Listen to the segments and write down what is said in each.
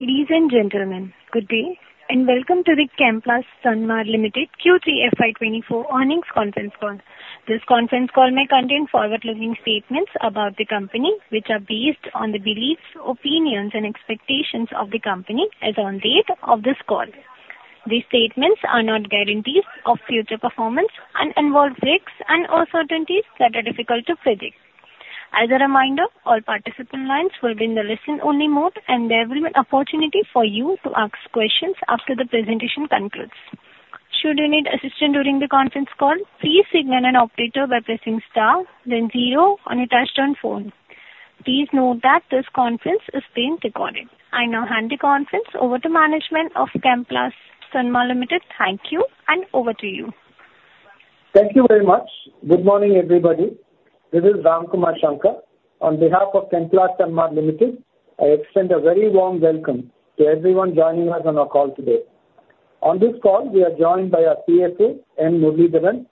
Ladies and gentlemen, good day, and welcome to the Chemplast Sanmar Ltd Q3 FY 2024 earnings conference call. This conference call may contain forward-looking statements about the company, which are based on the beliefs, opinions, and expectations of the company as on date of this call. These statements are not guarantees of future performance and involve risks and uncertainties that are difficult to predict. As a reminder, all participant lines will be in the listen-only mode, and there will be an opportunity for you to ask questions after the presentation concludes. Should you need assistance during the conference call, please signal an operator by pressing star then zero on your touch-tone phone. Please note that this conference is being recorded. I now hand the conference over to management of Chemplast Sanmar Ltd. Thank you, and over to you. Thank you very much. Good morning, everybody. This is Ramkumar Shankar. On behalf of Chemplast Sanmar Ltd, I extend a very warm welcome to everyone joining us on our call today. On this call, we are joined by our CFO, N. Muralidharan,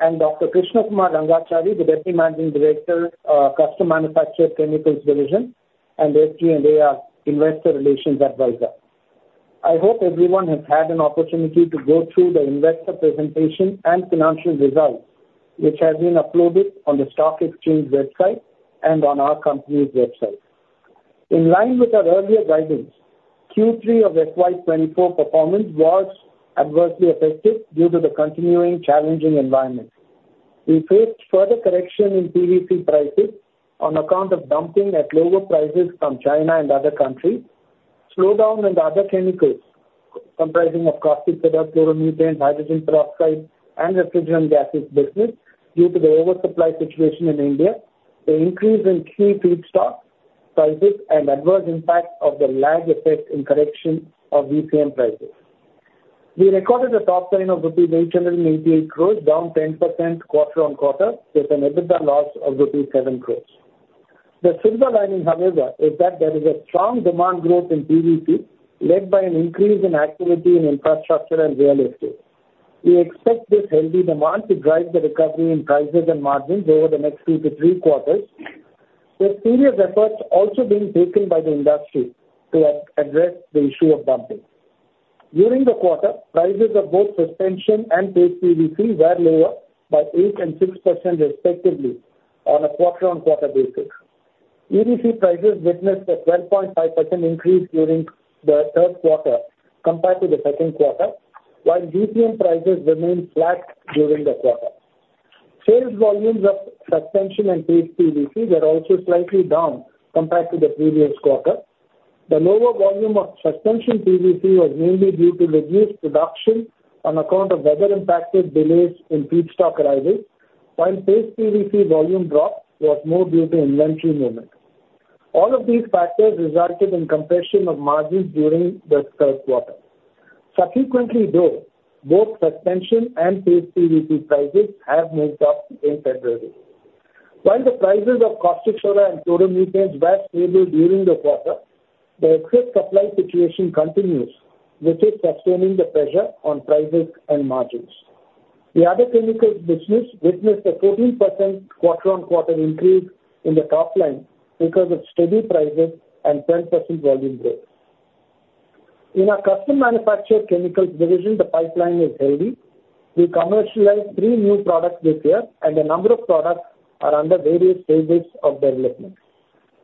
and Dr. Krishna Kumar Rangachari, the Deputy Managing Director of Custom Manufactured Chemicals Division, and SGA, our Investor Relations Advisor. I hope everyone has had an opportunity to go through the investor presentation and financial results, which have been uploaded on the Stock Exchange website and on our company's website. In line with our earlier guidance, Q3 of FY 2024 performance was adversely affected due to the continuing challenging environment. We faced further correction in PVC prices on account of dumping at lower prices from China and other countries, slowdown in the other chemicals, comprising of caustic soda, chloromethanes, hydrogen peroxide, and refrigerant gases business due to the oversupply situation in India, the increase in key feedstock prices, and adverse impact of the lag effect in correction of VCM prices. We recorded a top line of rupees 888 crores, down 10% quarter-on-quarter, with an EBITDA loss of rupees 7 crores. The silver lining, however, is that there is a strong demand growth in PVC, led by an increase in activity in infrastructure and real estate. We expect this healthy demand to drive the recovery in prices and margins over the next two to three quarters, with serious efforts also being taken by the industry to address the issue of dumping. During the quarter, prices of both suspension and paste PVC were lower by 8% and 6% respectively on a quarter-on-quarter basis. EDC prices witnessed a 12.5% increase during the third quarter compared to the second quarter, while VCM prices remained flat during the quarter. Sales volumes of suspension and paste PVC were also slightly down compared to the previous quarter. The lower volume of suspension PVC was mainly due to reduced production on account of weather-impacted delays in feedstock arrivals, while paste PVC volume drop was more due to inventory movement. All of these factors resulted in compression of margins during this third quarter. Subsequently, though, both suspension and paste PVC prices have moved up in February. While the prices of caustic soda and chloromethanes were stable during the quarter, the excess supply situation continues, which is sustaining the pressure on prices and margins. The other chemicals business witnessed a 14% quarter-on-quarter increase in the top line because of steady prices and 10% volume growth. In our Custom Manufactured Chemicals division, the pipeline is healthy. We commercialized three new products this year, and a number of products are under various stages of development.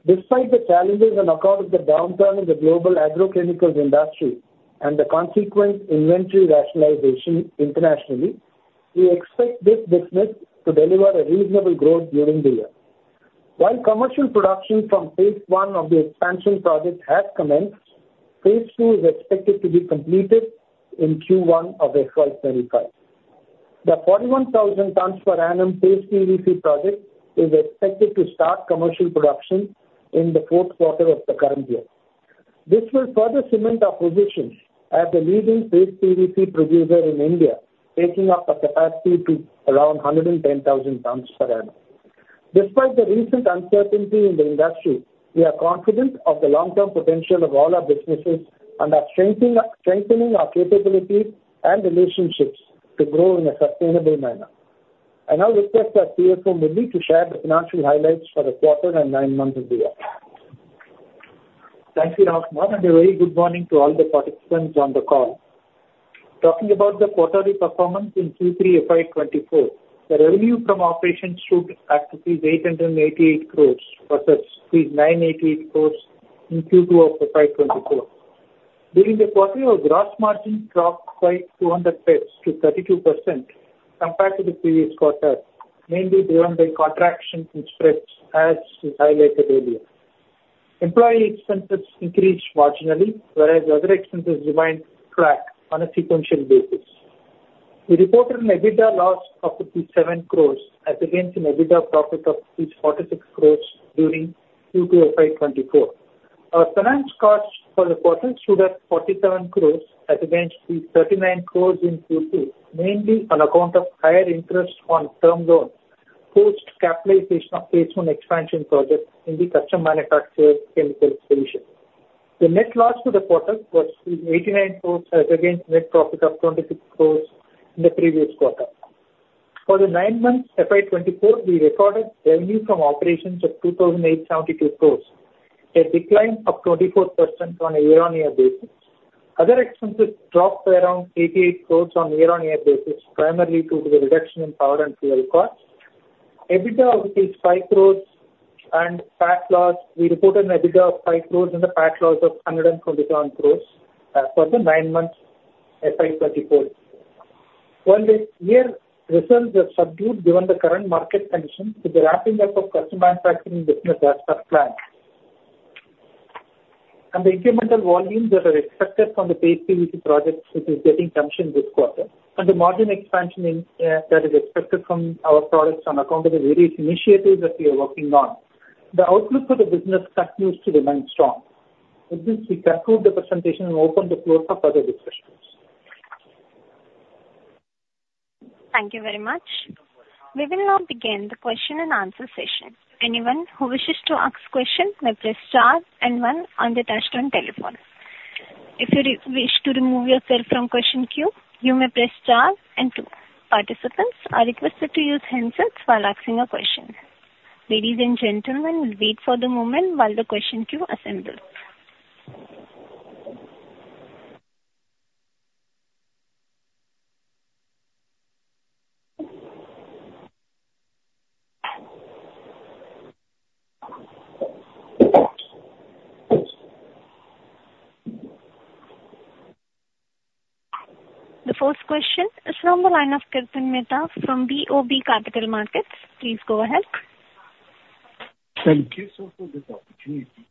Despite the challenges on account of the downturn in the global agrochemicals industry and the consequent inventory rationalization internationally, we expect this business to deliver a reasonable growth during the year. While commercial production Phase I of the expansion project has commenced, Phase II is expected to be completed in Q1 of FY 2025. The 41,000 tons per annum paste PVC project is expected to start commercial production in the fourth quarter of the current year. This will further cement our position as the leading paste PVC producer in India, taking up the capacity to around 110,000 tons per annum. Despite the recent uncertainty in the industry, we are confident of the long-term potential of all our businesses and are strengthening our capabilities and relationships to grow in a sustainable manner. I now request our CFO, Muralidharan, to share the financial highlights for the quarter and nine months of the year. Thank you, Ramkumar, and a very good morning to all the participants on the call. Talking about the quarterly performance in Q3 FY 2024, the revenue from operations stood at rupees 888 crores versus rupees 988 crores in Q2 of FY 2024. During the quarter, our gross margin dropped by 200 basis to 32% compared to the previous quarter, mainly driven by contraction in spreads, as we highlighted earlier. Employee expenses increased marginally, whereas other expenses remained flat on a sequential basis. We reported an EBITDA loss of 7 crore as against an EBITDA profit of 46 crore during Q2 FY 2024. Our finance costs for the quarter stood at 47 crore as against 39 crore in Q2, mainly on account of higher interest on term loans, post capitalization of Phase I expansion project in the Custom Manufactured Chemicals division. The net loss for the quarter was 89 crore as against net profit of 26 crore in the previous quarter. For the nine months, FY 2024, we recorded revenue from operations of 2,872 crore, a decline of 24% on a year-on-year basis. Other expenses dropped around 88 crores on a year-on-year basis, primarily due to the reduction in power and fuel costs. EBITDA, which is INR 5 crores and PAT loss, we reported an EBITDA of 5 crores and a PAT loss of 121 crores, for the nine months, FY 2024. While this year results are subdued given the current market conditions, with the ramping up of custom manufacturing business as per plan. The incremental volumes that are expected from the paste PVC projects, which is getting commissioned this quarter, and the margin expansion in, that is expected from our products on account of the various initiatives that we are working on, the outlook for the business continues to remain strong. With this, we conclude the presentation and open the floor for further discussions. Thank you very much. We will now begin the question and answer session. Anyone who wishes to ask question may press star and one on the touch-tone telephone. If you wish to remove yourself from question queue, you may press star and two. Participants are requested to use handsets while asking a question. Ladies and gentlemen, we'll wait for the moment while the question queue assembles. The first question is from the line of Kirtan Mehta from BOB Capital Markets. Please go ahead. Thank you so for this opportunity.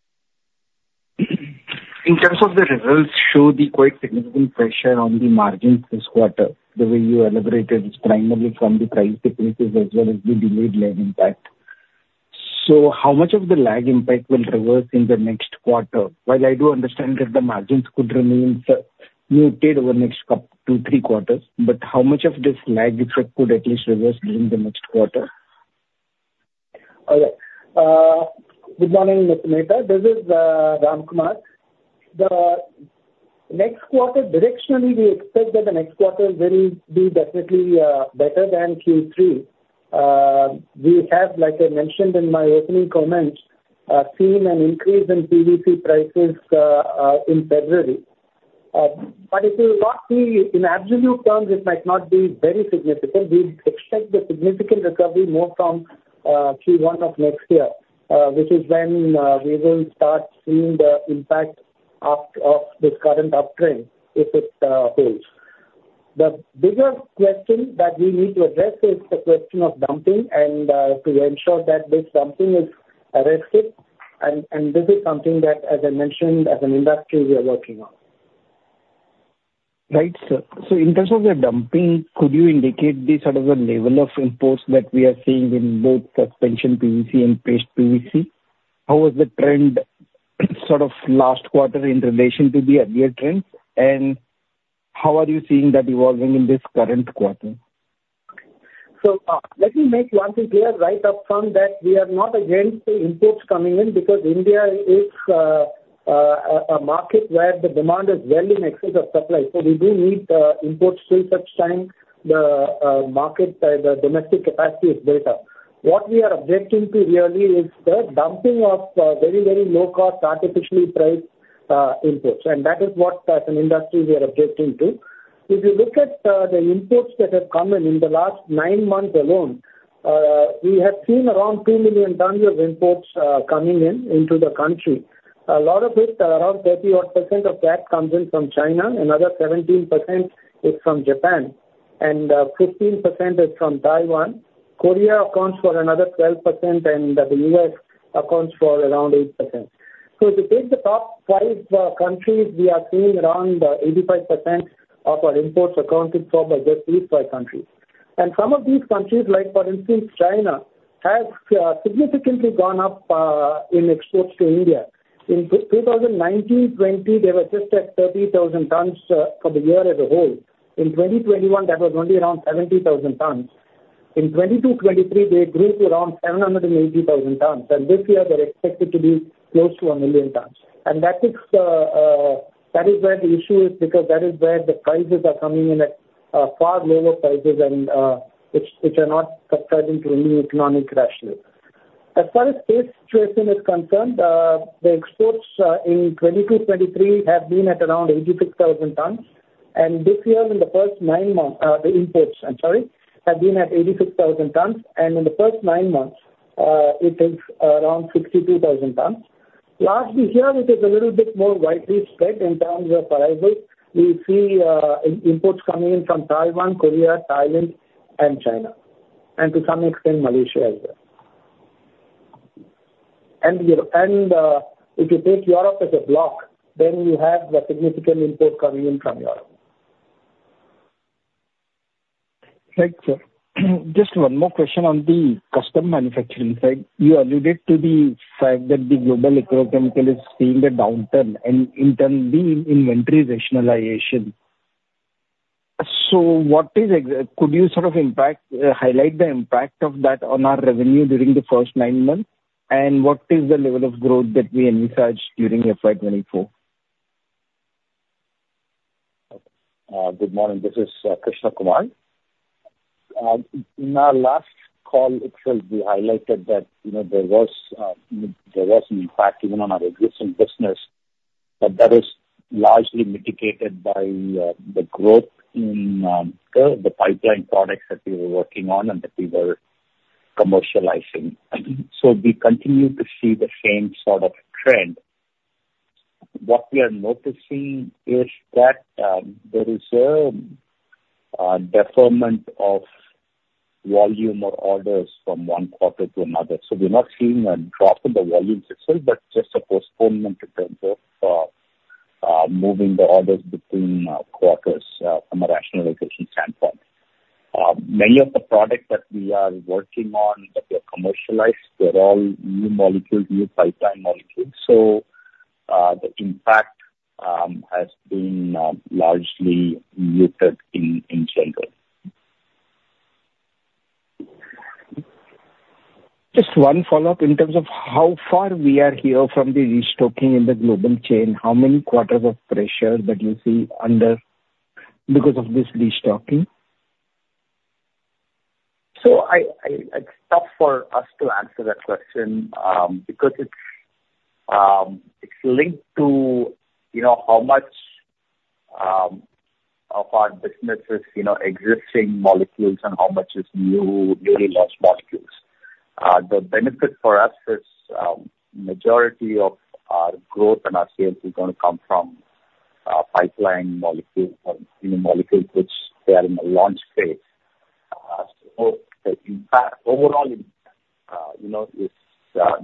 In terms of the results show the quite significant pressure on the margins this quarter, the way you elaborated, is primarily from the price decreases as well as the delayed lag impact. So how much of the lag impact will reverse in the next quarter? While I do understand that the margins could remain muted over the next couple, two, three quarters, but how much of this lag effect could at least reverse during the next quarter? Okay. Good morning, Mr. Mehta. This is Ramkumar Shankar. The next quarter, directionally, we expect that the next quarter will be definitely better than Q3. We have, like I mentioned in my opening comments, seen an increase in PVC prices in February. But if you look the, in absolute terms, it might not be very significant. We expect a significant recovery more from Q1 of next year, which is when we will start seeing the impact of this current uptrend, if it holds. The bigger question that we need to address is the question of dumping, and to ensure that this dumping is arrested, and this is something that, as I mentioned, as an industry, we are working on. Right, sir. So in terms of the dumping, could you indicate the sort of the level of imports that we are seeing in both suspension PVC and paste PVC? How was the trend sort of last quarter in relation to the earlier trends, and how are you seeing that evolving in this current quarter? So, let me make one thing clear right up front, that we are not against the imports coming in, because India is a market where the demand is well in excess of supply. So we do need imports till such time the market the domestic capacity is built up. What we are objecting to really is the dumping of very, very low cost, artificially priced imports, and that is what as an industry we are objecting to. If you look at the imports that have come in, in the last nine months alone, we have seen around 2 million tons of imports coming in, into the country. A lot of it, around 30-odd% of that comes in from China, another 17% is from Japan, and 15% is from Taiwan. Korea accounts for another 12%, and the U.S. accounts for around 8%. So if you take the top five countries, we are seeing around 85% of our imports accounted for by just these five countries. And some of these countries, like, for instance, China, has significantly gone up in exports to India. In 2019, 2020, they were just at 30,000 tons for the year as a whole. In 2021, that was only around 70,000 tons. In 2022, 2023, they grew to around 780,000 tons, and this year they're expected to be close to 1,000,000 tons. That is where the issue is, because that is where the prices are coming in at far lower prices and which are not subscribing to any economic rationale. As far as paste situation is concerned, the exports in 2022, 2023 have been at around 86,000 tons. And this year, in the first nine months... the imports, I'm sorry, have been at 86,000 tons, and in the first nine months, it is around 62,000 tons. Lastly, here it is a little bit more widely spread in terms of arrivals. We see imports coming in from Taiwan, Korea, Thailand and China, and to some extent Malaysia as well. And if you take Europe as a block, then you have the significant imports coming in from Europe. Thank you, sir. Just one more question on the custom manufacturing side. You alluded to the fact that the global agrochemicals is seeing a downturn and in turn the inventory rationalization. So, could you sort of highlight the impact of that on our revenue during the first nine months, and what is the level of growth that we envisage during FY 2024?... Good morning. This is Krishna Kumar. In our last call, it will be highlighted that, you know, there was an impact even on our existing business, but that is largely mitigated by the growth in the pipeline products that we were working on and that we were commercializing. So wele continue to see the same sort of trend. What we are noticing is that there is a deferment of volume or orders from one quarter to another. So we're not seeing a drop in the volumes itself, but just a postponement in terms of moving the orders between quarters from a rationalization standpoint. Many of the products that we are working on, that we are commercialized, they're all new molecules, new pipeline molecules. The impact has been largely muted in general. Just one follow-up in terms of how far we are here from the restocking in the global chain. How many quarters of pressure that you see under because of this restocking? So it's tough for us to answer that question, because it's linked to, you know, how much of our business is, you know, existing molecules and how much is new, newly launched molecules. The benefit for us is, majority of our growth and our sales is going to come from, pipeline molecules or new molecules, which they are in the launch phase. So the impact, overall impact, you know, is, as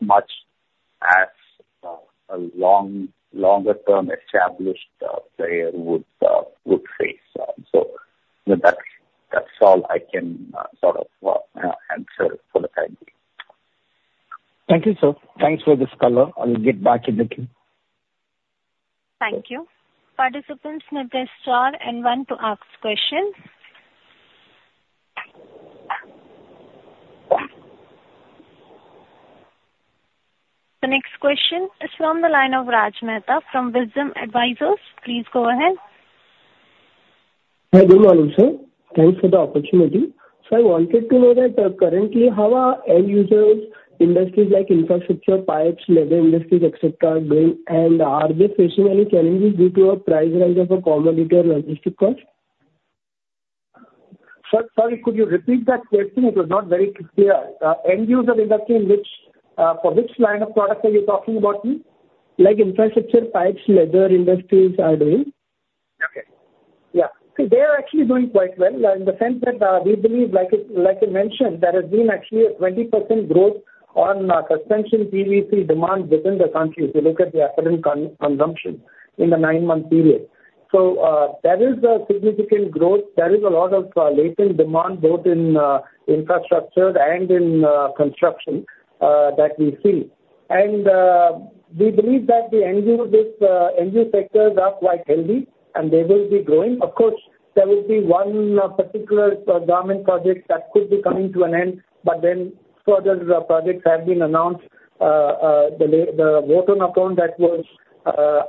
much as, a long, longer term established, player would, would face. So that's, that's all I can, sort of, answer for the time being. Thank you, sir. Thanks for this call. I will get back in the queue. Thank you. Participants may press star and one to ask questions. The next question is from the line of Raj Mehta from Wisdom Advisors. Please go ahead. Hi. Good morning, sir. Thanks for the opportunity. I wanted to know that, currently, how are end-user industries like infrastructure, pipes, leather industries, et cetera, doing, and are they facing any challenges due to a price rise of a commodity or logistic cost? Sir, sorry, could you repeat that question? It was not very clear. End user industry in which, for which line of products are you talking about me? Like infrastructure, pipes, leather industries are doing. Okay. Yeah. So they are actually doing quite well in the sense that we believe, like I mentioned, there has been actually a 20% growth on suspension PVC demand within the country, if you look at the apparent consumption in the nine-month period. So that is a significant growth. There is a lot of latent demand, both in infrastructure and in construction, that we see. And we believe that the end user sectors are quite healthy, and they will be growing. Of course, there will be one particular government project that could be coming to an end, but then further projects have been announced. The Vote on Account that was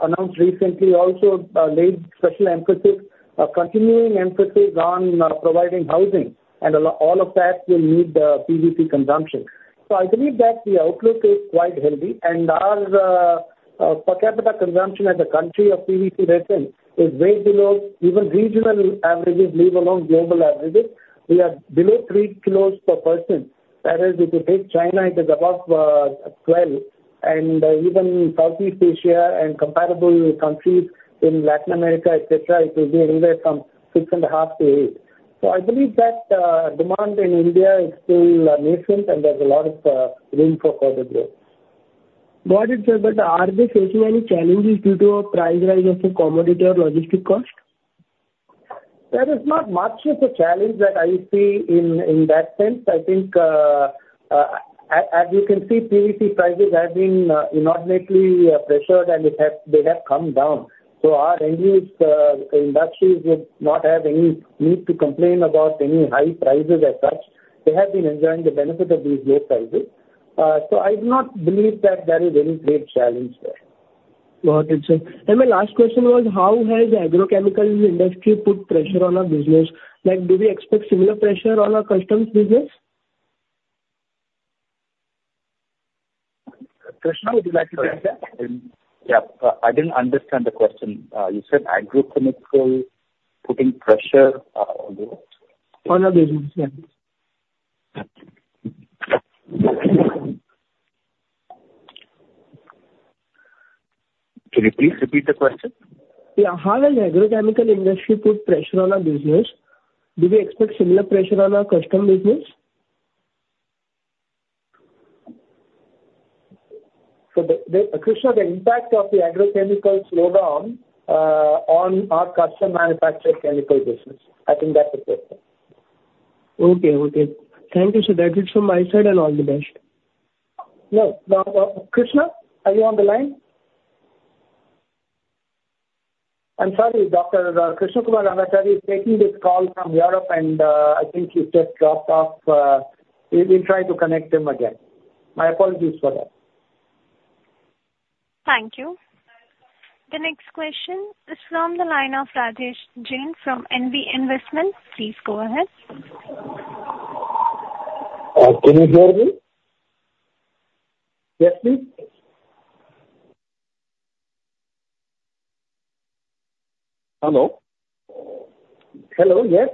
announced recently also laid special emphasis, a continuing emphasis on providing housing. All of that will need PVC consumption. So I believe that the outlook is quite healthy, and our per capita consumption as a country of PVC resin is way below even regional averages, leave alone global averages. We are below 3 kilos per person. That is, if you take China, it is above 12, and even Southeast Asia and comparable countries in Latin America, et cetera, it will be anywhere from 6.5-8. So I believe that demand in India is still nascent, and there's a lot of room for further growth. Got it, sir. But are they facing any challenges due to a price rise of the commodity or logistics cost? There is not much of a challenge that I see in that sense. I think, as you can see, PVC prices have been inordinately pressured, and it has—they have come down. So our end use industries would not have any need to complain about any high prices as such. They have been enjoying the benefit of these low prices. So I do not believe that there is any great challenge there. Got it, sir. My last question was: How has the agrochemical industry put pressure on our business? Like, do we expect similar pressure on our custom business? Krishna, would you like to take that? Yeah. I didn't understand the question. You said agrochemical putting pressure on the what? On your business, yeah. Could you please repeat the question? Yeah. How has agrochemical industry put pressure on our business? Do we expect similar pressure on our custom business? So, Krishna, the impact of the agrochemical slowdown on our custom manufactured chemical business. I think that's the question. Okay. Okay. Thank you, sir. That's it from my side, and all the best. No, Krishna, are you on the line? I'm sorry, Dr. Krishna Kumar Rangachari is taking this call from Europe, and I think he just dropped off. We will try to connect him again. My apologies for that. ... Thank you. The next question is from the line of Rajesh Jain from NB Investments. Please go ahead. Can you hear me? Yes, please. Hello? Hello, yes.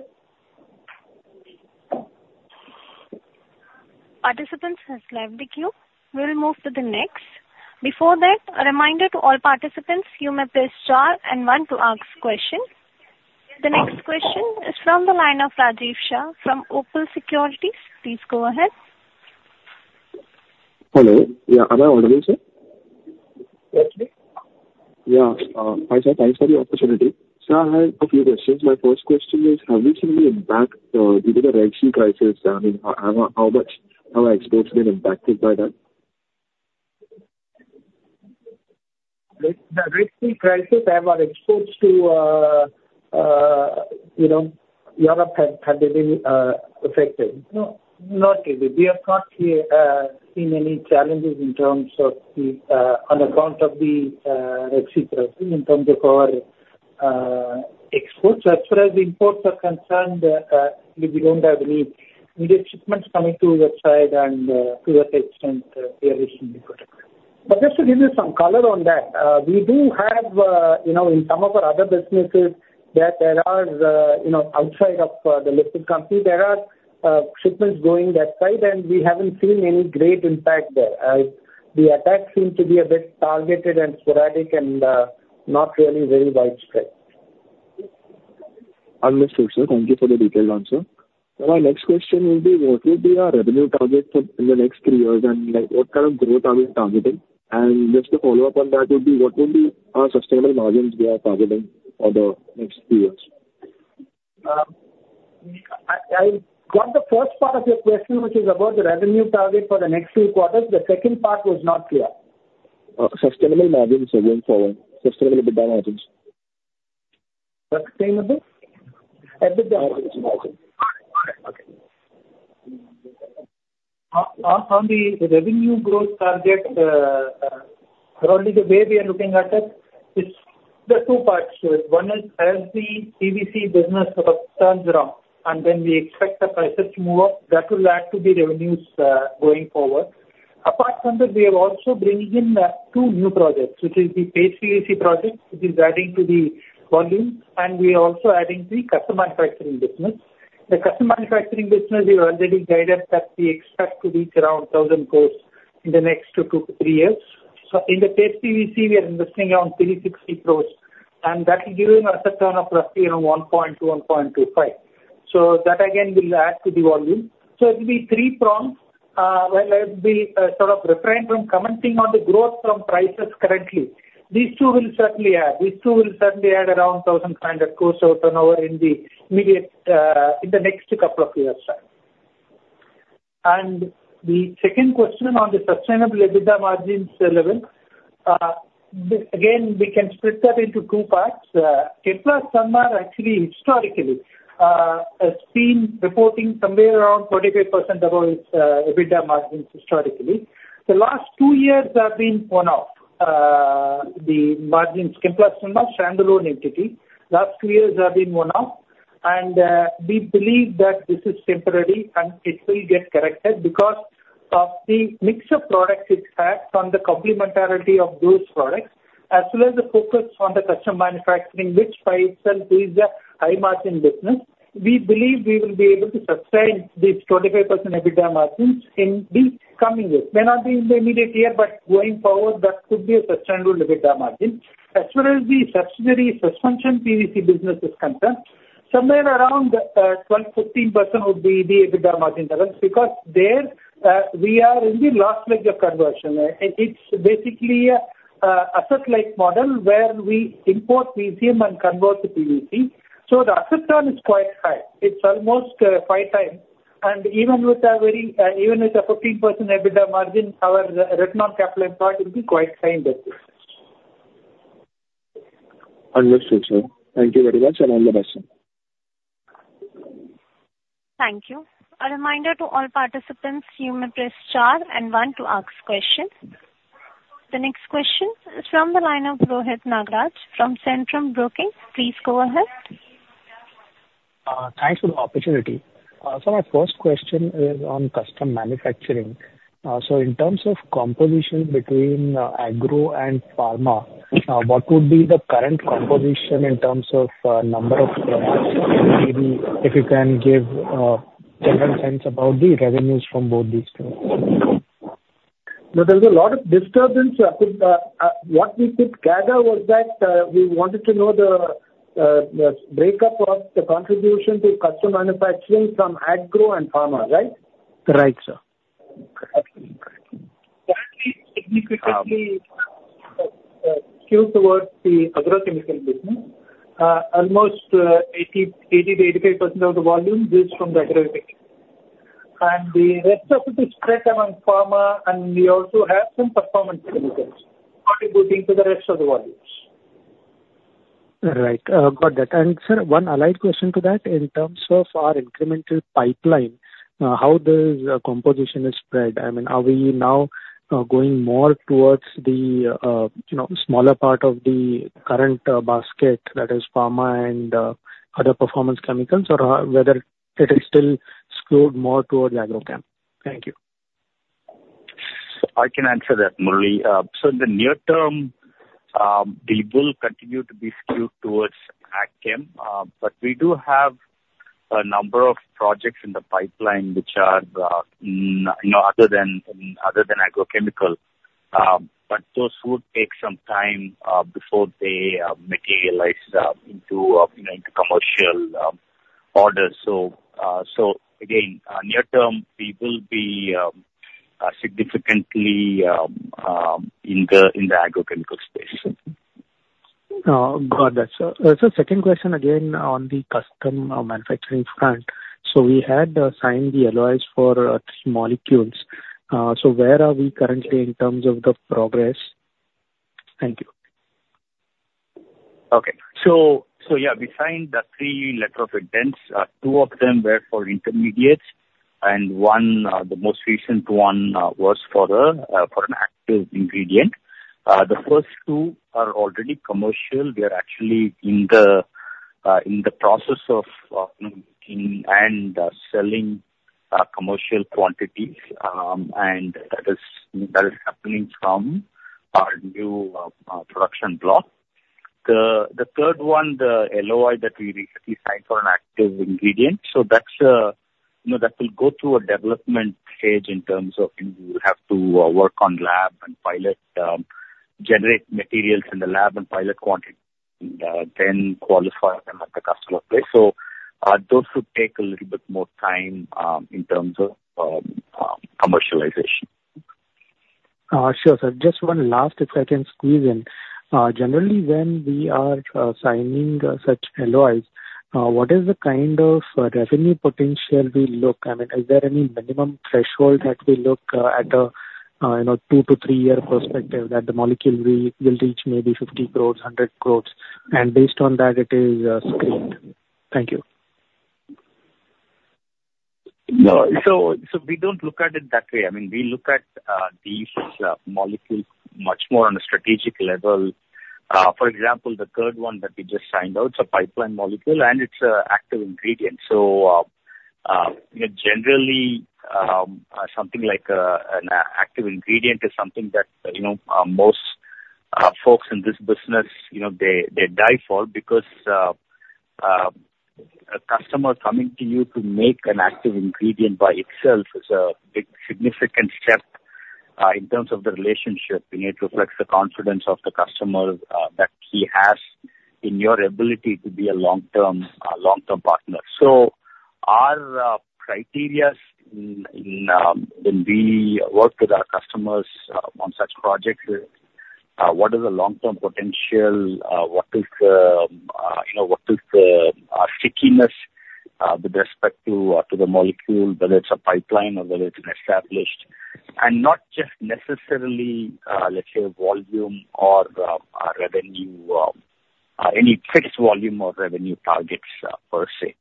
Participants have left the queue. We will move to the next. Before that, a reminder to all participants, you may press star and one to ask question. The next question is from the line of Rajiv Shah from Opal Securities. Please go ahead. Hello. Yeah, am I audible, sir? Yes, please. Yeah. Hi, sir, thanks for the opportunity. Sir, I have a few questions. My first question is: how has it been impacted due to the Red Sea crisis? I mean, how much have our exports been impacted by that? Regarding the Red Sea crisis, have our exports to, you know, Europe, have they been affected? No, not really. We have not seen any challenges in terms of the, on account of the Red Sea crisis in terms of our exports. As far as the imports are concerned, we don't have any immediate shipments coming through that side and, to that extent, we are recently affected. But just to give you some color on that, we do have, you know, in some of our other businesses that there are, you know, outside of the listed company, there are shipments going that side, and we haven't seen any great impact there. The attacks seem to be a bit targeted and sporadic and not really very widespread. Understood, sir. Thank you for the detailed answer. My next question will be: what will be our revenue target for in the next three years, and, like, what kind of growth are we targeting? Just to follow-up on that would be, what will be our sustainable margins we are targeting for the next three years? I got the first part of your question, which is about the revenue target for the next few quarters. The second part was not clear. Sustainable margins going forward. Sustainable EBITDA margins. Sustainable? EBITDA margins. Margins. Okay. On the revenue growth target, currently, the way we are looking at it, it's there are two parts to it. One is as the PVC business sort of turns around, and then we expect the prices to move up, that will add to the revenues, going forward. Apart from that, we are also bringing in two new projects, which is the paste PVC project, which is adding to the volume, and we are also adding the custom manufacturing business. The custom manufacturing business, we already guided that we expect to reach around 1,000 crore in the next two to three years. So in the paste PVC, we are investing around 360 crore, and that will give us a return of roughly around 1-1.25. So that again will add to the volume. So it'll be three prongs. Well, I'll be, sort of refrain from commenting on the growth from prices currently. These two will certainly add. These two will certainly add around 1,500 crores of turnover in the immediate, in the next couple of years' time. And the second question on the sustainable EBITDA margins level, again, we can split that into two parts. Chemplast Sanmar, actually, historically, has been reporting somewhere around 25% above its, EBITDA margins historically. The last two years have been one-off. The margins Chemplast Sanmar standalone entity, last two years have been one-off, and, we believe that this is temporary, and it will get corrected because of the mix of products it has on the complementarity of those products, as well as the focus on the custom manufacturing, which by itself is a high-margin business. We believe we will be able to sustain this 25% EBITDA margins in the coming years. May not be in the immediate year, but going forward, that could be a sustainable EBITDA margin. As far as the subsidiary suspension PVC business is concerned, somewhere around 12%-15% would be the EBITDA margin because there, we are in the last leg of conversion. It’s basically an asset-light model where we import VCM and convert to PVC, so the asset turn is quite high. It's almost five times. And even with a 15% EBITDA margin, our return on capital employed will be quite high in that business. Understood, sir. Thank you very much, and all the best, sir. Thank you. A reminder to all participants, you may press star and one to ask questions. The next question is from the line of Rohit Nagaraj from Centrum Broking. Please go ahead. Thanks for the opportunity. So my first question is on custom manufacturing. So in terms of composition between agro and pharma, what would be the current composition in terms of number of products? Maybe if you can give general sense about the revenues from both these two. No, there was a lot of disturbance up with... What we could gather was that, we wanted to know the, the breakup of the contribution to custom manufacturing from agro and pharma, right? Right, sir. Okay. Great. Actually, significantly skewed towards the agrochemical business. Almost, 80 to 85% of the volume is from the agrochemical. And the rest of it is spread among pharma, and we also have some performance chemicals contributing to the rest of the volumes.... Right, got that. And sir, one allied question to that, in terms of our incremental pipeline, how does composition is spread? I mean, are we now, going more towards the, you know, smaller part of the current, basket, that is pharma and, other performance chemicals or whether it is still skewed more towards agrochem? Thank you. I can answer that, Murali. So in the near term, it will continue to be skewed towards ag-chem, but we do have a number of projects in the pipeline which are, you know, other than, other than agrochemical. But those would take some time before they materialize into, you know, into commercial orders. So, so again, near term, we will be significantly in the, in the agrochemical space. Got that, sir. Sir, second question again on the custom manufacturing front. So we had signed the LOIs for three molecules. So where are we currently in terms of the progress? Thank you. Okay. So yeah, we signed the three letters of intent. Two of them were for intermediates and one, the most recent one, was for an active ingredient. The first two are already commercial. We are actually in the process of making and selling commercial quantities. And that is happening from our new production block. The third one, the LOI that we recently signed for an active ingredient, so that's, you know, that will go through a development stage in terms of we have to work on lab and pilot, generate materials in the lab and pilot quantity, and then qualify them at the customer place. So those would take a little bit more time in terms of commercialization. Sure, sir. Just one last, if I can squeeze in. Generally, when we are signing such LOIs, what is the kind of revenue potential we look? I mean, is there any minimum threshold that we look at a, you know, two to three year perspective, that the molecule we will reach maybe 50 crores, 100 crores, and based on that it is screened? Thank you. No. So we don't look at it that way. I mean, we look at these molecules much more on a strategic level. For example, the third one that we just signed out, it's a pipeline molecule, and it's an active ingredient. So, you know, generally, something like an active ingredient is something that, you know, most folks in this business, you know, they die for, because a customer coming to you to make an active ingredient by itself is a big significant step in terms of the relationship, and it reflects the confidence of the customer that he has in your ability to be a long-term partner. So our criteria in when we work with our customers on such projects, what is the long-term potential? What is, you know, what is the stickiness with respect to the molecule, whether it's a pipeline or whether it's established, and not just necessarily, let's say, volume or revenue, any fixed volume or revenue targets per se?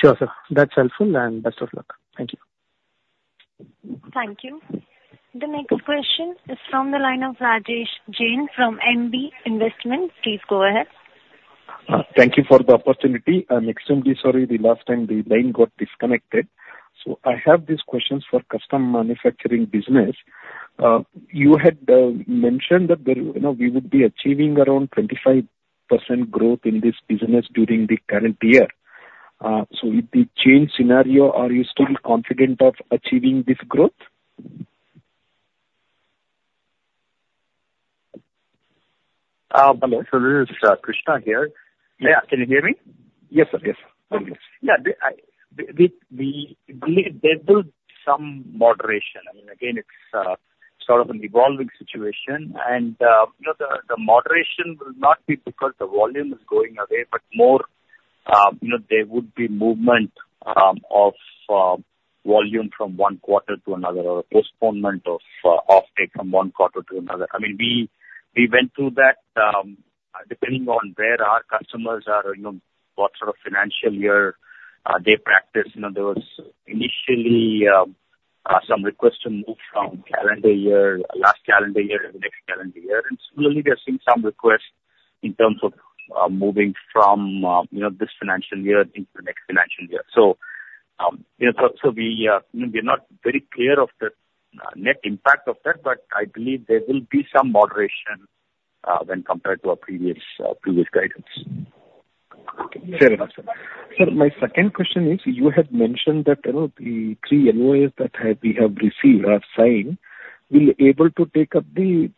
Sure, sir. That's helpful, and best of luck. Thank you. Thank you. The next question is from the line of Rajesh Jain from NB Investment. Please go ahead. Thank you for the opportunity. I'm extremely sorry the last time the line got disconnected. So I have these questions for custom manufacturing business. You had mentioned that there, you know, we would be achieving around 25% growth in this business during the current year. So with the change scenario, are you still confident of achieving this growth? Hello, this is Krishna here. Yeah. Can you hear me? Yes, sir. Yes. Okay. Yeah, there is some moderation. I mean, again, it's sort of an evolving situation. And, you know, the moderation will not be because the volume is going away, but more, you know, there would be movement of volume from one quarter to another, or a postponement of offtake from one quarter to another. I mean, we went through that, depending on where our customers are, you know, what sort of financial year they practice. You know, there was initially some requests to move from calendar year, last calendar year to the next calendar year, and similarly, we are seeing some requests in terms of moving from, you know, this financial year into the next financial year. So, you know, so, so we, you know, we are not very clear of the net impact of that, but I believe there will be some moderation when compared to our previous, previous guidance. Okay. Fair enough, sir. Sir, my second question is, you had mentioned that, you know, the three LOIs that we have received or signed will be able to take up the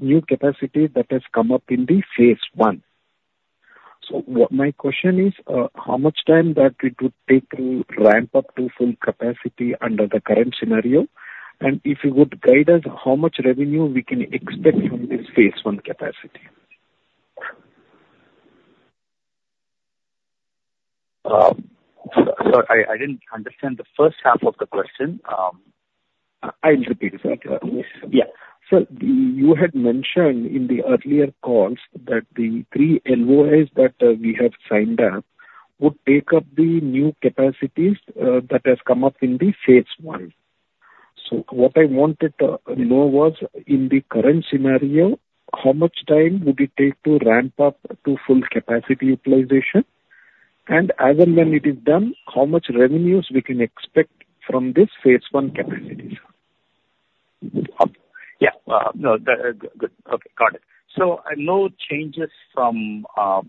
new capacity that has come up in Phase I. So what... My question is, how much time that it would take to ramp up to full capacity under the current scenario? And if you would guide us, how much revenue we can expect from Phase I capacity?... sir, I didn't understand the first half of the question. I'll repeat it. Yeah. Sir, you had mentioned in the earlier calls that the three LOIs that we have signed up would take up the new capacities that has come up in Phase I. So what I wanted to know was, in the current scenario, how much time would it take to ramp up to full capacity utilization? And as and when it is done, how much revenues we can expect from Phase I capacity? Yeah. No. Okay, got it. So no changes from,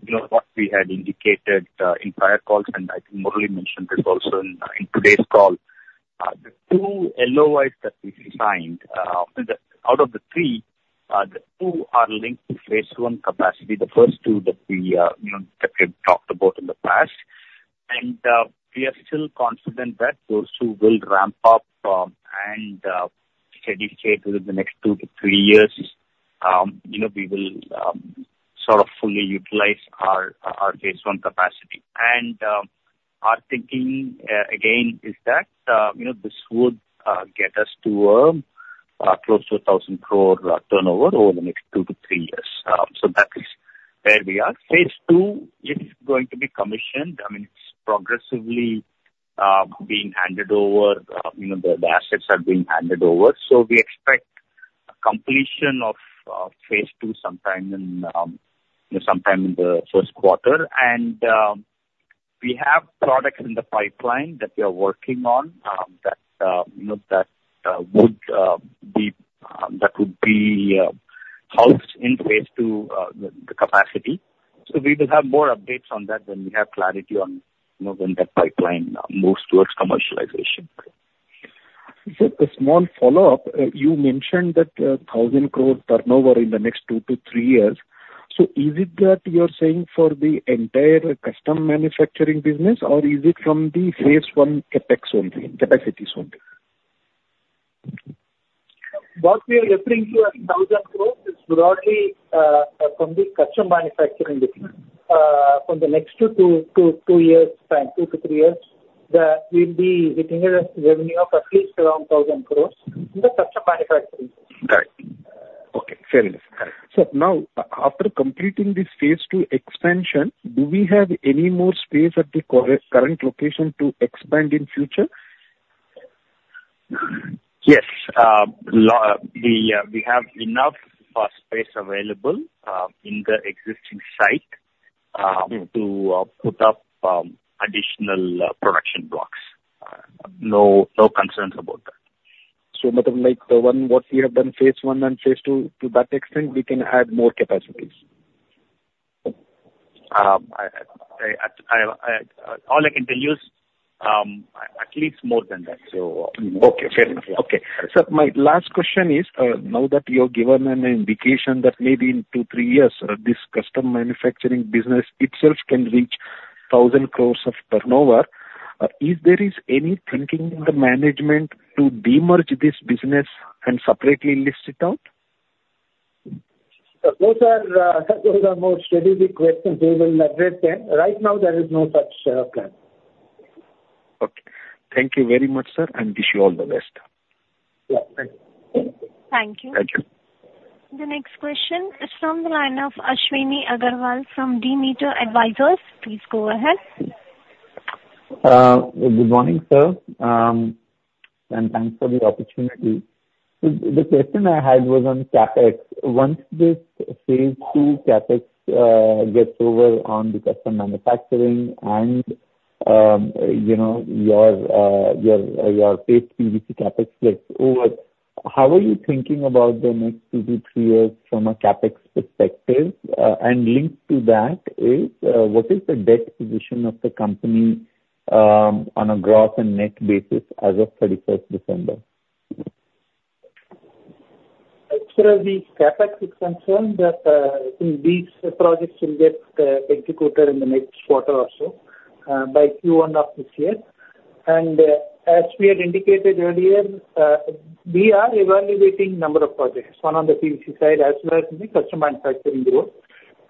you know, what we had indicated, in prior calls, and I think Murali mentioned this also in today's call. The two LOIs that we've signed, out of the three, the two are linked Phase I capacity, the first two that we, you know, that we've talked about in the past. And we are still confident that those two will ramp up, and steadily within the next two to three years, you know, we will sort of fully utilize Phase I capacity. And our thinking, again, is that, you know, this would get us to close to 1,000 crore turnover over the next two to three years. So that is where we are. Phase II is going to be commissioned, I mean, it's progressively being handed over, you know, the assets are being handed over, so we expect completion Phase II sometime in, you know, sometime in the first quarter. And we have products in the pipeline that we are working on, that you know that would be housed Phase II, the capacity. So we will have more updates on that when we have clarity on, you know, when that pipeline moves towards commercialization. Sir, a small follow-up. You mentioned that 1,000 crore turnover in the next two to three years. So is it that you're saying for the entire custom manufacturing business, or is it from the Phase I CapEx only, capacities only? What we are referring to as 1,000 crore is broadly from the custom manufacturing business. From the next Q2 to two years time, two to three years, we'll be hitting a revenue of at least around INR 1,000 crores in the custom manufacturing. Got it. Okay, fair enough. Correct. So now, after completing Phase II expansion, do we have any more space at the current location to expand in future? Yes. We have enough space available in the existing site to put up additional production blocks. No, no concerns about that. Rather like the one what we have in Phase I and Phase II, to that extent, we can add more capacities? All I can tell you is at least more than that, so. Okay. Fair enough. Okay. Sir, my last question is, now that you have given an indication that maybe in two, three years, this custom manufacturing business itself can reach 1,000 crore of turnover, if there is any thinking in the management to demerge this business and separately list it out? So those are, those are more strategic questions. We will address them. Right now, there is no such, plan. Okay. Thank you very much, sir, and wish you all the best. Yeah, thank you. Thank you. Thank you. The next question is from the line of Ashwini Aggarwal from Demeter Advisors. Please go ahead. Good morning, sir, and thanks for the opportunity. So the question I had was on CapEx. Once Phase II CapEx gets over on the custom manufacturing and, you know, your paste PVC CapEx gets over, how are you thinking about the next two to three years from a CapEx perspective? And linked to that is what is the debt position of the company on a gross and net basis as of 31st December? As far as the CapEx is concerned, that in these projects will get executed in the next quarter or so, by Q1 of this year. As we had indicated earlier, we are evaluating number of projects, one on the PVC side as well as in the custom manufacturing group.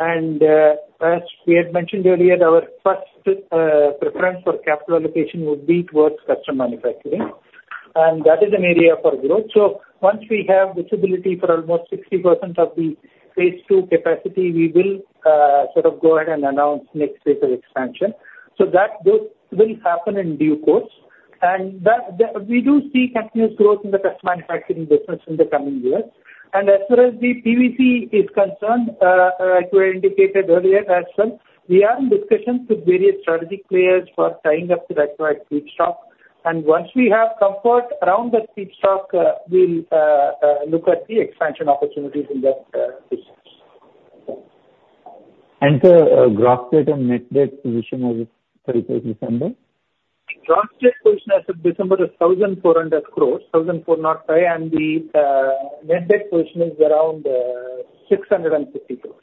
As we had mentioned earlier, our first preference for capital allocation would be towards custom manufacturing, and that is an area for growth. Once we have visibility for almost 60% of Phase II capacity, we will sort of go ahead and announce next phase of expansion. That build will happen in due course, and that, the... We do see continuous growth in the custom manufacturing business in the coming years. As far as the PVC is concerned, as we indicated earlier as well, we are in discussions with various strategic players for tying up the required feedstock, and once we have comfort around that feedstock, we'll look at the expansion opportunities in that business. Sir, gross debt and net debt position as of 31st December? Gross debt position as of December is 1,405 crore, and the net debt position is around 650 crore.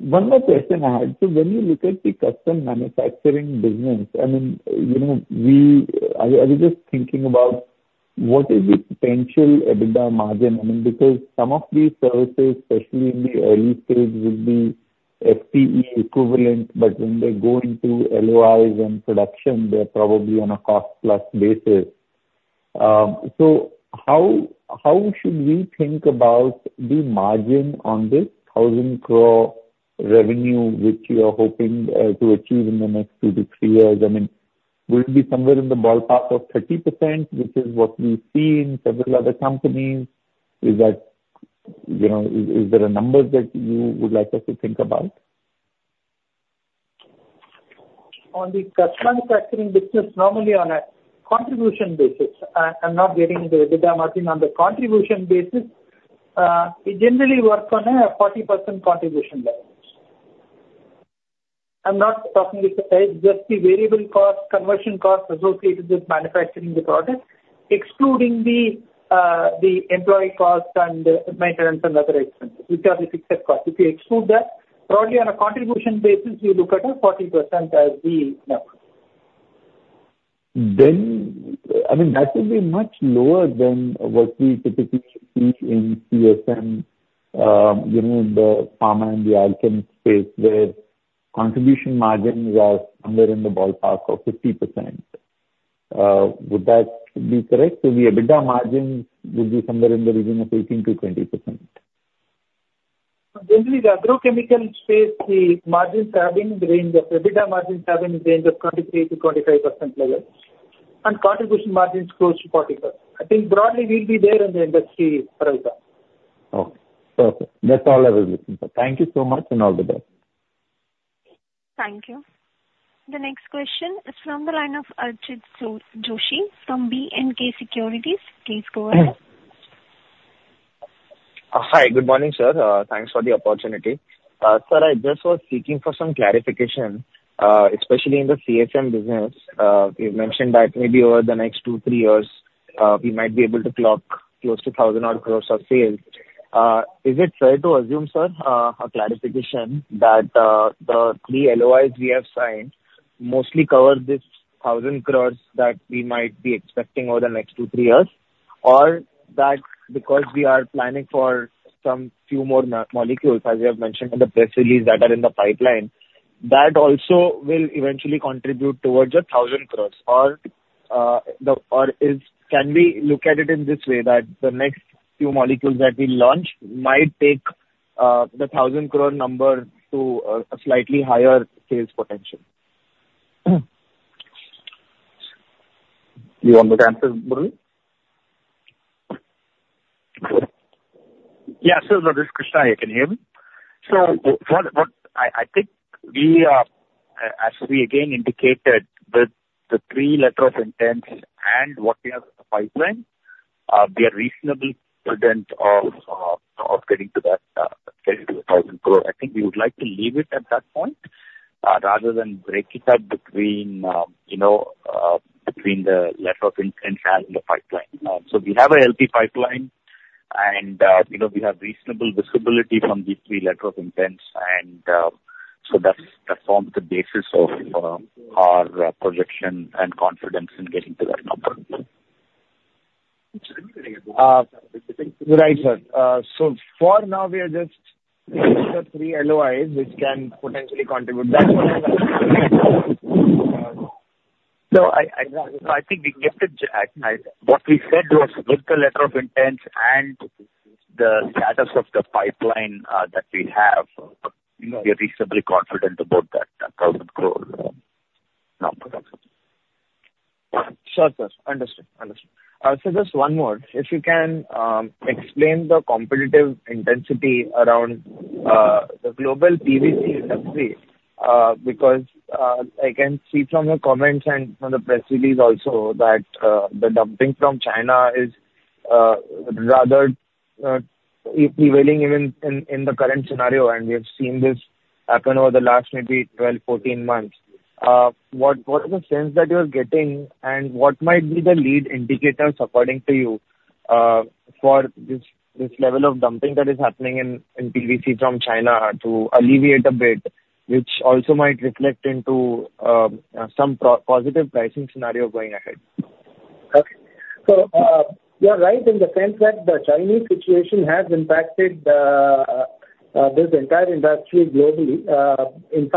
One more question I had. So when you look at the custom manufacturing business, I mean, you know, what is the potential EBITDA margin? I mean, because some of these services, especially in the early stage, will be FTE equivalent, but when they're going through LOIs and production, they're probably on a cost-plus basis. So how should we think about the margin on this 1,000 crore revenue, which you are hoping to achieve in the next two to three years? I mean, will it be somewhere in the ballpark of 30%, which is what we see in several other companies? Is that, you know, is there a number that you would like us to think about? On the custom manufacturing business, normally on a contribution basis, I'm not getting the EBITDA margin. On the contribution basis, we generally work on a 40% contribution basis. I'm not talking about just the variable cost, conversion cost associated with manufacturing the product, excluding the employee cost and maintenance and other expenses, which are the fixed costs. If you exclude that, broadly on a contribution basis, we look at a 40% as the number. I mean, that will be much lower than what we typically see in CMC, you know, in the pharma and the agrochem space, where contribution margins are somewhere in the ballpark of 50%. Would that be correct? So the EBITDA margins would be somewhere in the region of 18%-20%. Generally, the agrochemical space, the margins are having in the range of, EBITDA margins are having in the range of 23%-25% levels, and contribution margins close to 40%. I think broadly we'll be there in the industry for right now. Okay. Perfect. That's all I was looking for. Thank you so much, and all the best. Thank you. The next question is from the line of Archit Joshi from B&K Securities. Please go ahead. Hi. Good morning, sir. Thanks for the opportunity. Sir, I just was seeking for some clarification, especially in the CSM business. You've mentioned that maybe over the next two to three years, we might be able to clock close to 1,000-odd crores of sales. Is it fair to assume, sir, a clarification that, the three LOIs we have signed mostly cover this 1,000 crores that we might be expecting over the next two to three years? Or that because we are planning for some few more molecules, as you have mentioned in the press release that are in the pipeline, that also will eventually contribute towards 1,000 crores. Can we look at it in this way, that the next few molecules that we launch might take the 1,000 crore number to a slightly higher sales potential? You want to answer, Murali? Yeah, sure. So this is Krishna, you can hear me? So what I think we are, as we again indicated, with the three letters of intent and what we have in the pipeline, we are reasonably confident of getting to that, getting to 1,000 crore. I think we would like to leave it at that point, rather than break it up between, you know, between the letter of intent and the pipeline. So we have a healthy pipeline, and, you know, we have reasonable visibility from these three letters of intent, and, so that forms the basis of our projection and confidence in getting to that number. Right, sir. So for now, we are just taking the three LOIs, which can potentially contribute back? No, I think we get it. What we said was, with the letters of intent and the status of the pipeline that we have, you know, we are reasonably confident about that 1,000 crore number. Sure, sir. Understood. Understood. So just one more: If you can, explain the competitive intensity around the global PVC industry, because I can see from your comments and from the press release also, that the dumping from China is rather prevailing even in the current scenario, and we have seen this happen over the last maybe 12, 14 months. What is the sense that you are getting, and what might be the lead indicators according to you, for this level of dumping that is happening in PVC from China to alleviate a bit, which also might reflect into some positive pricing scenario going ahead? Okay. So, you are right in the sense that the Chinese situation has impacted, this entire industry globally. In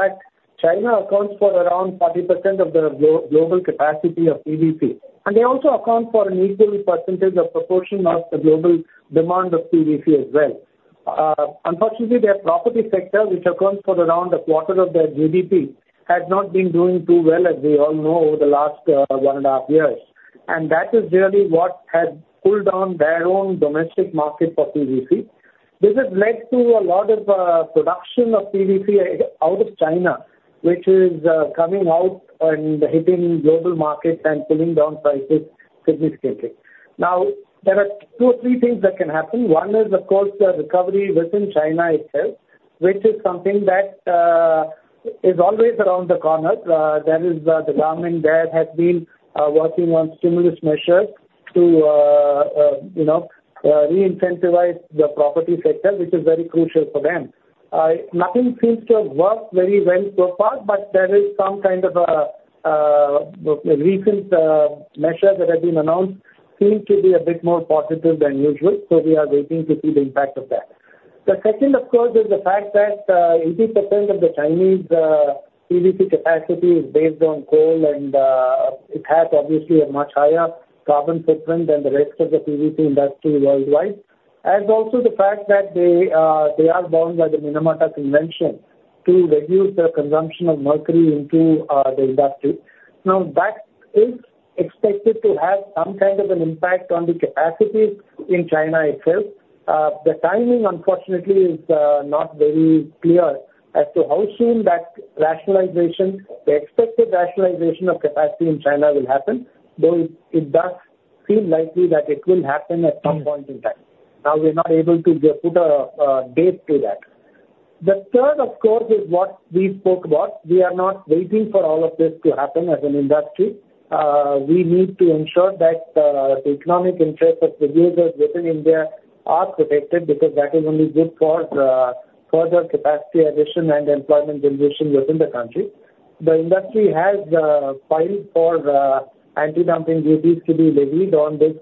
fact, China accounts for around 40% of the global capacity of PVC, and they also account for an equally percentage of proportion of the global demand of PVC as well. Unfortunately, their property sector, which accounts for around a quarter of their GDP, has not been doing too well, as we all know, over the last, one and a half years. And that is really what has pulled down their own domestic market for PVC. This has led to a lot of, production of PVC out of China, which is, coming out and hitting global markets and pulling down prices significantly. Now, there are two or three things that can happen. One is, of course, the recovery within China itself, which is something that is always around the corner. There is the government there has been working on stimulus measures to you know reincentivize the property sector, which is very crucial for them. Nothing seems to have worked very well so far, but there is some kind of a recent measure that has been announced, seems to be a bit more positive than usual, so we are waiting to see the impact of that. The second, of course, is the fact that 80% of the Chinese PVC capacity is based on coal, and it has obviously a much higher carbon footprint than the rest of the PVC industry worldwide. And also the fact that they, they are bound by the Minamata Convention to reduce their consumption of mercury into the industry. Now, that is expected to have some kind of an impact on the capacities in China itself. The timing, unfortunately, is not very clear as to how soon that rationalization, the expected rationalization of capacity in China will happen, though it, it does seem likely that it will happen at some point in time. Now, we're not able to put a date to that. The third, of course, is what we spoke about. We are not waiting for all of this to happen as an industry. We need to ensure that the economic interests of producers within India are protected, because that is only good for the further capacity addition and employment generation within the country. The industry has filed for anti-dumping duties to be levied on this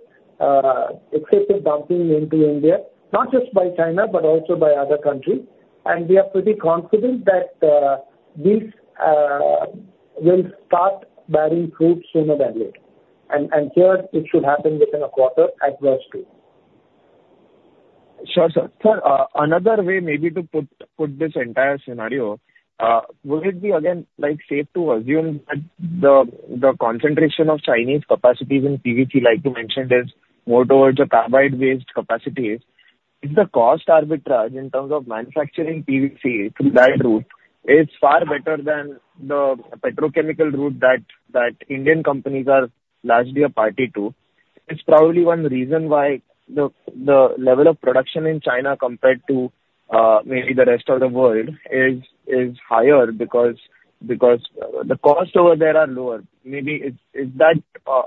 excessive dumping into India, not just by China, but also by other countries. And we are pretty confident that this will start bearing fruit sooner than later. And, and here, it should happen within a quarter at worst, too. Sure, sir. Sir, another way maybe to put this entire scenario, would it be again, like, safe to assume that the concentration of Chinese capacities in PVC, like you mentioned, is more towards the carbide-based capacities? Is the cost arbitrage in terms of manufacturing PVC through that route far better than the petrochemical route that Indian companies are largely a party to? It's probably one reason why the level of production in China, compared to maybe the rest of the world is higher because the costs over there are lower. Maybe is that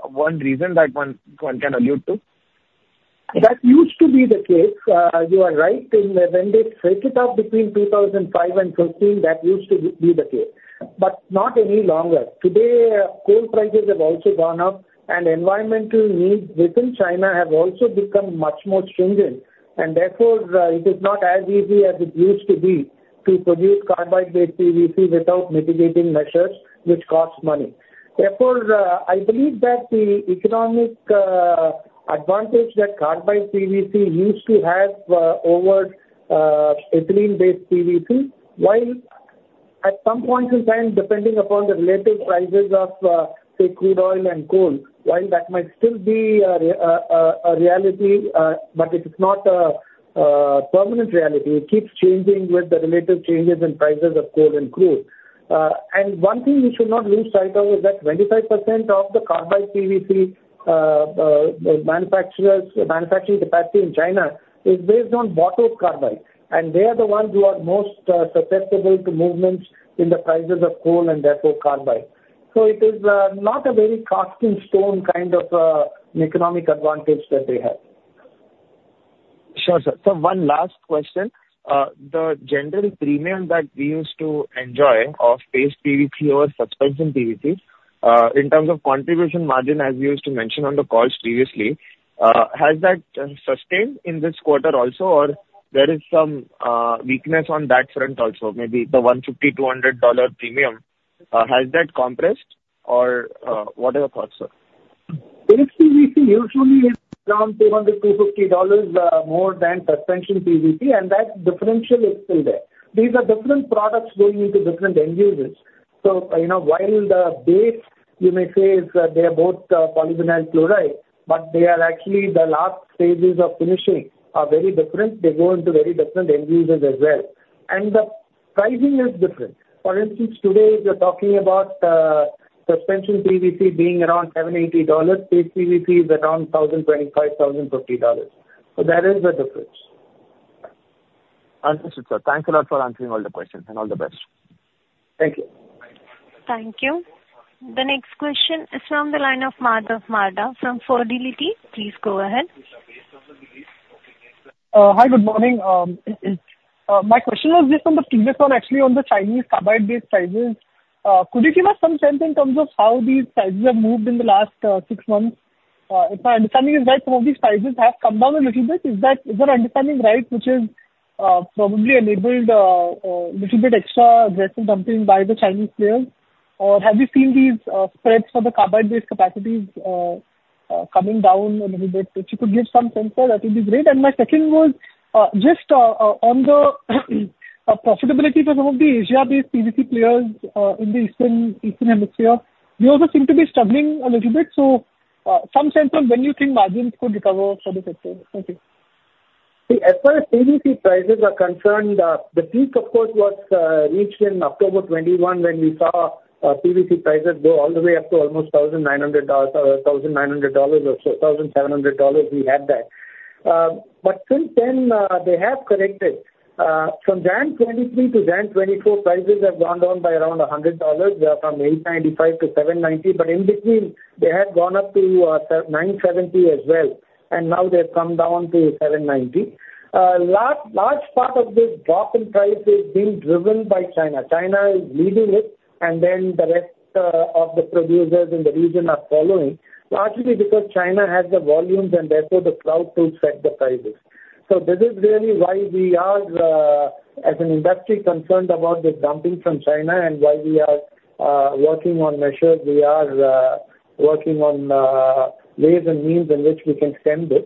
one reason that one can allude to? That used to be the case. You are right. When they set it up between 2005 and 2013, that used to be the case, but not any longer. Today, coal prices have also gone up, and environmental needs within China have also become much more stringent, and therefore, it is not as easy as it used to be to produce carbide-based PVC without mitigating measures, which costs money. Therefore, I believe that the economic advantage that carbide PVC used to have over ethylene-based PVC, while at some point in time, depending upon the relative prices of, say, crude oil and coal, while that might still be a reality, but it is not a permanent reality. It keeps changing with the relative changes in prices of coal and crude. And one thing we should not lose sight of is that 25% of the carbide PVC manufacturing capacity in China is based on calcium carbide, and they are the ones who are most susceptible to movements in the prices of coal and therefore carbide. So it is not a very cast in stone kind of economic advantage that they have. Sure, sir. So one last question. The general premium that we used to enjoy of paste PVC over suspension PVC, in terms of contribution margin, as we used to mention on the calls previously, has that sustained in this quarter also, or there is some weakness on that front also? Maybe the $150-$200 premium has that compressed or what are your thoughts, sir? PVC usually is around $200-$250, more than suspension PVC, and that differential is still there. These are different products going into different end users. So, you know, while the base, you may say, is, they are both polyvinyl chloride, but they are actually the last stages of finishing are very different. They go into very different end users as well, and the pricing is different. For instance, today, we're talking about, suspension PVC being around $780. PVC is around $1,025-$1,050, so there is a difference. Understood, sir. Thanks a lot for answering all the questions, and all the best. Thank you. Thank you. The next question is from the line of Madhav Marda from Fidelity International. Please go ahead. Hi, good morning. My question was just on the previous one, actually, on the Chinese carbide-based prices. Could you give us some sense in terms of how these prices have moved in the last six months? If my understanding is right, some of these prices have come down a little bit. Is our understanding right, which is probably enabled a little bit extra aggressive dumping by the Chinese players? Or have you seen these spreads for the carbide-based capacities coming down a little bit? If you could give some sense there, that would be great. And my second was just on the profitability for some of the Asia-based PVC players in the Eastern Hemisphere. They also seem to be struggling a little bit, so, some sense on when you think margins could recover for the sector? Thank you. See, as far as PVC prices are concerned, the peak, of course, was reached in October 2021, when we saw PVC prices go all the way up to almost $1,900, $1,900 or so, $1,700, we had that. But since then, they have corrected from January 2023 to January 2024, prices have gone down by around $100. They are from $895 to $790, but in between, they had gone up to $970 as well, and now they've come down to $790. Large, large part of this drop in price is being driven by China. China is leading it, and then the rest of the producers in the region are following, largely because China has the volumes and therefore the clout to set the prices. So this is really why we are, as an industry, concerned about the dumping from China and why we are, working on measures. We are, working on, ways and means in which we can stem this.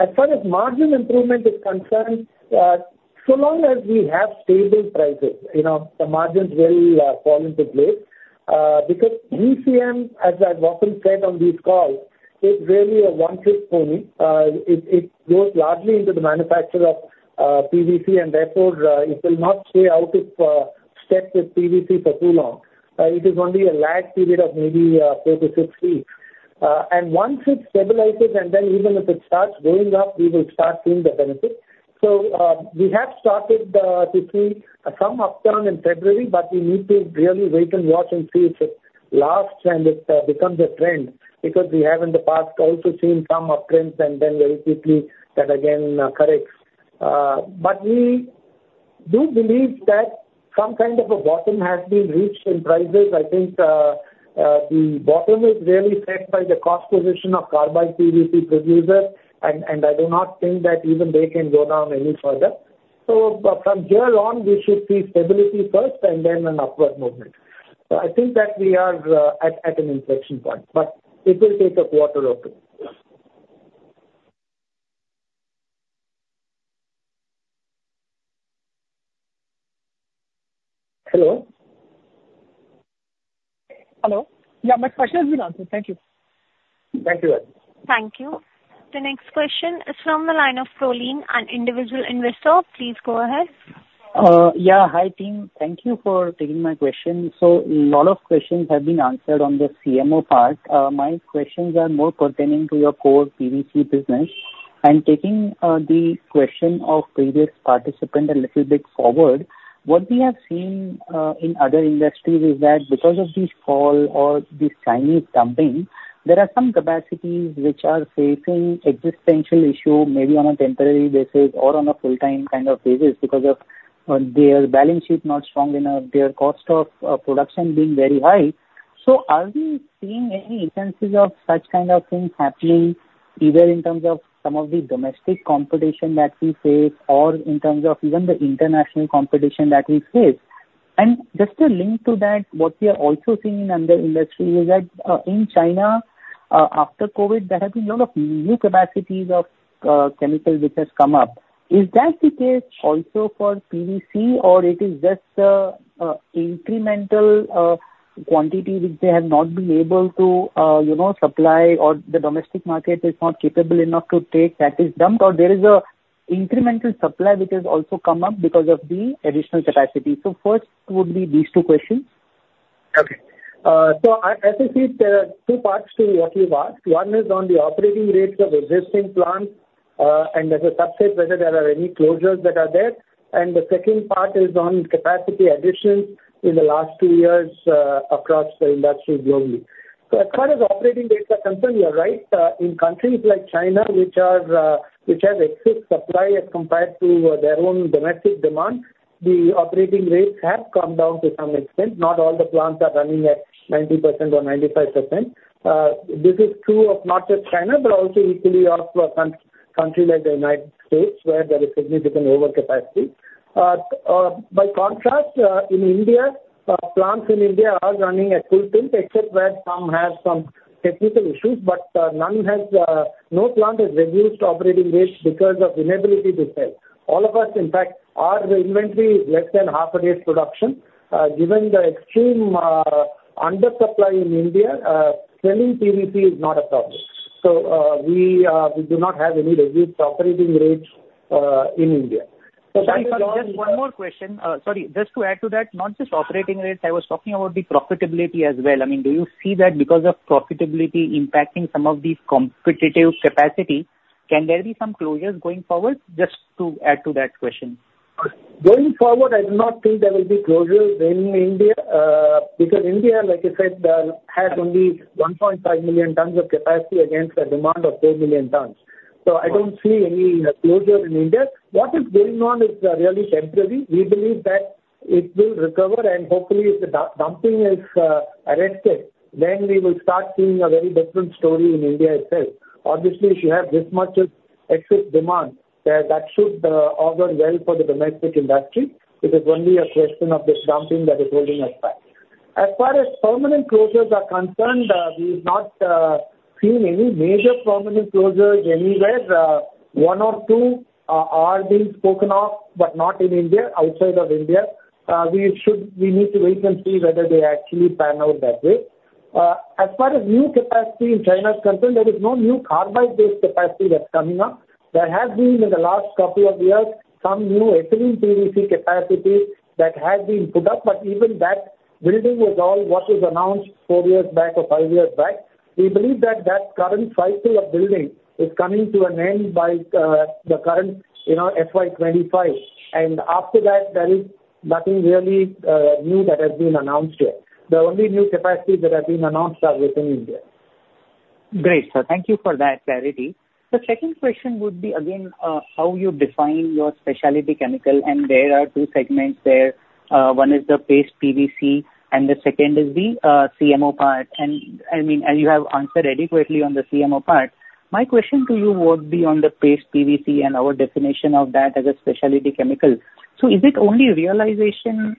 As far as margin improvement is concerned, so long as we have stable prices, you know, the margins will, fall into place, because VCM, as I've often said on these calls, is really a one-trick pony. It, it goes largely into the manufacture of, PVC, and therefore, it will not stay out of, step with PVC for too long. It is only a lag period of maybe, four to six weeks. And once it stabilizes, and then even if it starts going up, we will start seeing the benefit. So, we have started to see some upturn in February, but we need to really wait and watch and see if it lasts and it becomes a trend, because we have in the past also seen some uptrends and then very quickly that again corrects. But we do believe that some kind of a bottom has been reached in prices. I think the bottom is really set by the cost position of carbide PVC producers, and I do not think that even they can go down any further. So from here on, we should see stability first and then an upward movement. So I think that we are at an inflection point, but it will take a quarter or two. Hello? Hello. Yeah, my question has been answered. Thank you. Thank you. Thank you. The next question is from the line of Prolin, an individual investor. Please go ahead. Yeah, hi, team. Thank you for taking my question. So a lot of questions have been answered on the CMO part. My questions are more pertaining to your core PVC business. And taking the question of previous participant a little bit forward, what we have seen in other industries is that because of this fall or the Chinese dumping, there are some capacities which are facing existential issue, maybe on a temporary basis or on a full-time kind of basis, because of their balance sheet not strong enough, their cost of production being very high. So are we seeing any instances of such kind of things happening, either in terms of some of the domestic competition that we face or in terms of even the international competition that we face? And just to link to that, what we are also seeing in the industry is that, in China, after COVID, there have been a lot of new capacities of chemical which has come up. Is that the case also for PVC, or it is just incremental quantity which they have not been able to, you know, supply, or the domestic market is not capable enough to take that is dumped, or there is a incremental supply which has also come up because of the additional capacity? So first would be these two questions. Okay. So I, as I see it, there are two parts to what you've asked. One is on the operating rates of existing plants, and as a subset, whether there are any closures that are there. The second part is on capacity additions in the last two years, across the industry globally. So as far as operating rates are concerned, you are right. In countries like China, which are, which have excess supply as compared to their own domestic demand, the operating rates have come down to some extent. Not all the plants are running at 90% or 95%. This is true of not just China, but also equally also for countries like the United States, where there is significant overcapacity. By contrast, in India, plants in India are running at full tilt, except where some have some technical issues, but none has, no plant has reduced operating rates because of inability to sell. All of us, in fact, our inventory is less than half a day's production. Given the extreme undersupply in India, selling PVC is not a problem. So, we do not have any reduced operating rates in India. Sorry, sorry, just one more question. Sorry, just to add to that, not just operating rates, I was talking about the profitability as well. I mean, do you see that because of profitability impacting some of these competitive capacity, can there be some closures going forward? Just to add to that question. Going forward, I do not think there will be closures in India, because India, like I said, has only 1.5 million tons of capacity against a demand of 4 million tons. So I don't see any closure in India. What is going on is really temporary. We believe that it will recover, and hopefully, if the dumping is arrested, then we will start seeing a very different story in India itself. Obviously, if you have this much of excess demand, that should augur well for the domestic industry. It is only a question of the dumping that is holding us back. As far as permanent closures are concerned, we've not seen any major permanent closures anywhere. One or two are being spoken of, but not in India, outside of India. We need to wait and see whether they actually pan out that way. As far as new capacity in China is concerned, there is no new carbide-based capacity that's coming up. There has been, in the last couple of years, some new ethylene PVC capacity that has been put up, but even that building was all what was announced four years back or five years back. We believe that that current cycle of building is coming to an end by the current, you know, FY 2025, and after that, there is nothing really new that has been announced yet. The only new capacities that have been announced are within India. Great, sir. Thank you for that clarity. The second question would be again, how you define your specialty chemical, and there are two segments there. One is the paste PVC, and the second is the, CMO part. And, I mean, you have answered adequately on the CMO part. My question to you would be on the paste PVC and our definition of that as a specialty chemical. So is it only realization,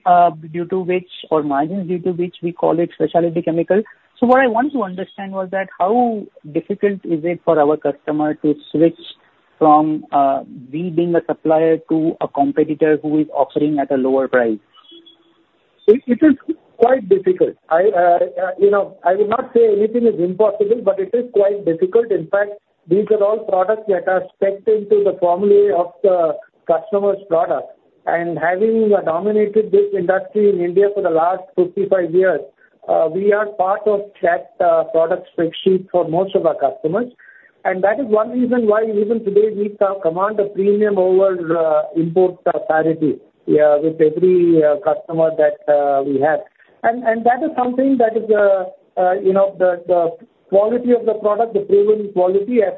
due to which or margins due to which we call it specialty chemical? So what I want to understand was that how difficult is it for our customer to switch from, we being a supplier to a competitor who is offering at a lower price? It is quite difficult. I, you know, I will not say anything is impossible, but it is quite difficult. In fact, these are all products that are specced into the formulas of the customer's product. And having dominated this industry in India for the last 55 years, we are part of that product spec sheet for most of our customers, and that is one reason why even today we still command a premium over import parity with every customer that we have. And that is something that is, you know, the quality of the product, the proven quality, as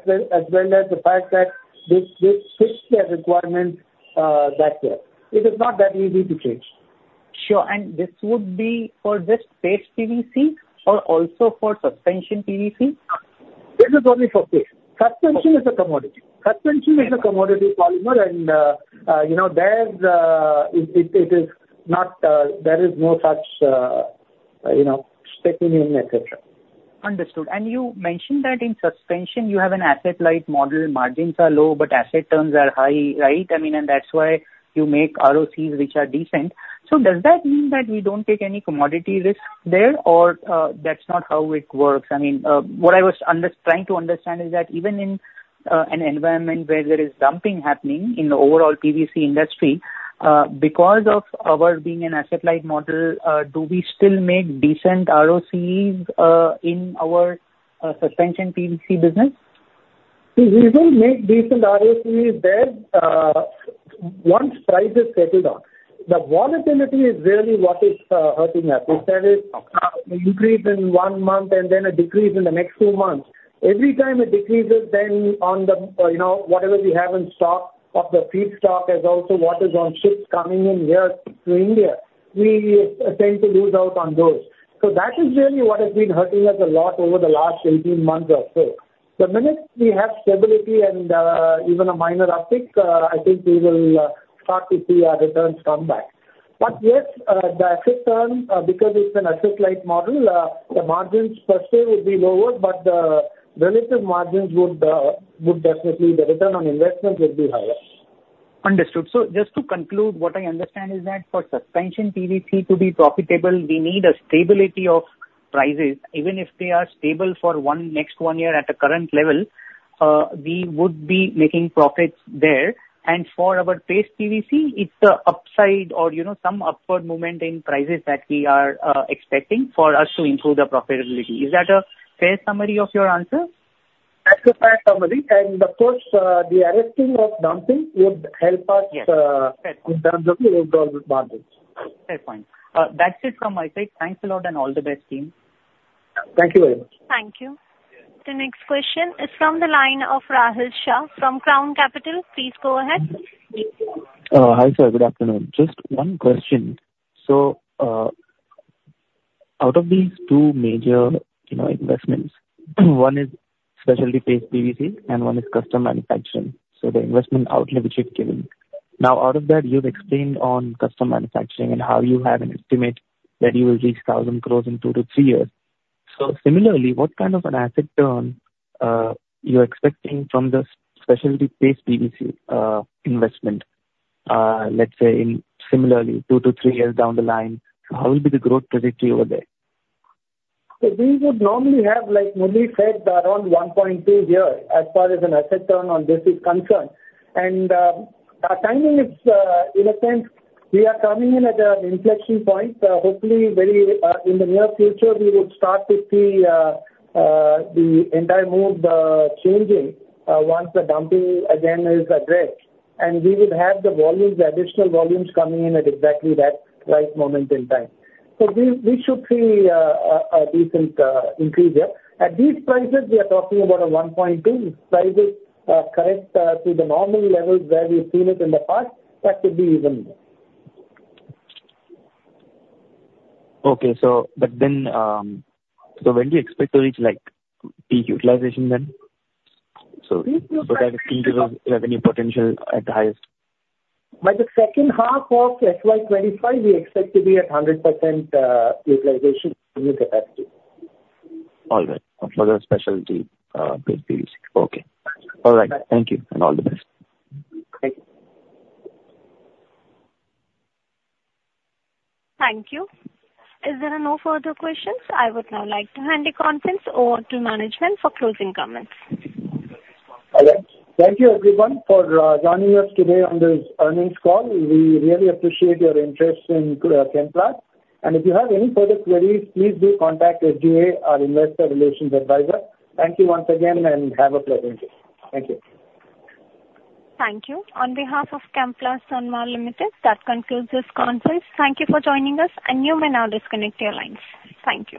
well as the fact that this fits their requirements that well. It is not that easy to change. Sure. This would be for just paste PVC or also for suspension PVC? This is only for paste. Suspension is a commodity. Suspension is a commodity polymer and, you know, there's... It, it, it is not, there is no such, you know, speccing in, et cetera. Understood. You mentioned that in suspension, you have an asset-light model. Margins are low, but asset turns are high, right? I mean, and that's why you make ROCs which are decent. Does that mean that we don't take any commodity risk there, or that's not how it works? I mean, what I was trying to understand is that even in an environment where there is dumping happening in the overall PVC industry, because of our being an asset-light model, do we still make decent ROCs in our suspension PVC business? We will make decent ROCEs there, once price is settled on. The volatility is really what is hurting us. There is an increase in one month and then a decrease in the next two months. Every time it decreases, then on the, you know, whatever we have in stock, of the feedstock, as also what is on ships coming in here to India, we tend to lose out on those. So that is really what has been hurting us a lot over the last 18 months or so. The minute we have stability and, even a minor uptick, I think we will start to see our returns come back. But yes, the asset turn, because it's an asset-light model, the margins per se will be lower, but the relative margins would, would definitely... The return on investment would be higher. Understood. So just to conclude, what I understand is that for suspension PVC to be profitable, we need a stability of prices. Even if they are stable for one, next one year at the current level, we would be making profits there. And for our paste PVC, it's an upside or, you know, some upward movement in prices that we are expecting for us to improve the profitability. Is that a fair summary of your answer? That's a fair summary, and of course, the arresting of dumping would help us- Yes. In terms of overall margins. Fair point. That's it from my side. Thanks a lot and all the best, team. Thank you very much. Thank you. The next question is from the line of Rahil Shah from Crown Capital. Please go ahead. Hi, sir. Good afternoon. Just one question. So, out of these two major, you know, investments, one is specialty paste PVC and one is custom manufacturing, so the investment outlay which you've given. Now, out of that, you've explained on custom manufacturing and how you have an estimate that you will reach 1,000 crore in two to three years. So similarly, what kind of an asset turn you're expecting from the specialty paste PVC investment, let's say, in similarly two to three years down the line? How will be the growth trajectory over there? So we would normally have, like Murali said, around 1.2 here, as far as an asset turn on this is concerned. And, our timing is, in a sense, we are coming in at an inflection point. Hopefully, very, in the near future, we would start to see, the entire mode, changing, once the dumping again is addressed. And we would have the volumes, the additional volumes, coming in at exactly that right moment in time. So we, we should see, a decent, increase there. At these prices, we are talking about a 1.2. If prices, correct, to the normal levels where we've seen it in the past, that could be even more. Okay, so but then... So when do you expect to reach, like, peak utilization then? So- We expect- so that the revenue potential at the highest? By the second half of FY 2025, we expect to be at 100% utilization new capacity. All right. For the specialty paste PVC. Okay. Right. All right. Thank you, and all the best. Thank you. Thank you. As there are no further questions, I would now like to hand the conference over to management for closing comments. Thank you, everyone, for joining us today on this earnings call. We really appreciate your interest in Chemplast. If you have any further queries, please do contact SGA, our investor relations advisor. Thank you once again, and have a pleasant day. Thank you. Thank you. On behalf of Chemplast Sanmar Ltd, that concludes this conference. Thank you for joining us, and you may now disconnect your lines. Thank you.